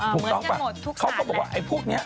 ถูกต้องป่ะเขาก็บอกว่าไอ้พวกนี้